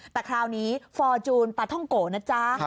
แต่คราวนี้ฟอร์จูนปลาท่องโกะนะจ๊ะ